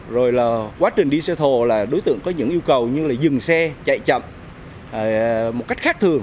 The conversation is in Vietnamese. rồi là quá trình đi xe thổ là đối tượng có những yêu cầu như là dừng xe chạy chậm một cách khác thừa